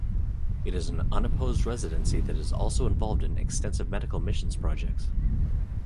It is an unopposed residency that is also involved in extensive medical missions projects.